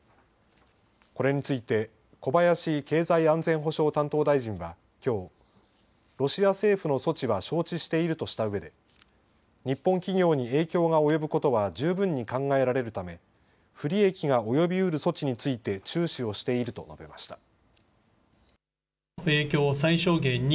これについて小林経済安全保障担当大臣はきょう、ロシア政府の措置は承知しているとしたうえで日本企業に影響が及ぶことは十分に考えられるため不利益が及びうる措置について注視をしていると述べました。